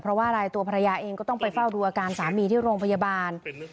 เพราะว่าอะไรตัวภรรยาเองก็ต้องไปเฝ้าดูอาการสามีที่โรงพยาบาล